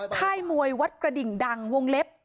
ค่ายมวยวัดกระดิ่งดังวงเล็บ